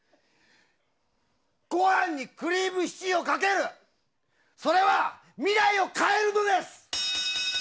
ご飯にクリームシチューをかけるそれは、未来を変えるのです！